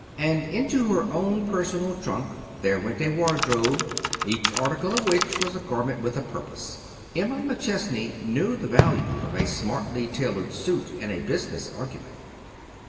And into her own personal trunk there went a wardrobe, each article of which was a garment with a purpose. Emma McChesney knew the value of a smartly tailored suit in a business argument.